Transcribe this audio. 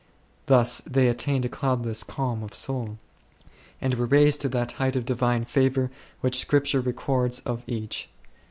Thus they attained a cloudless calm of soul, and were raised «to that height of Divine favour which Scriptyre records of each.